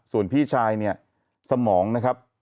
ส่วนพี่ชายเนี่ยสมองนะครับ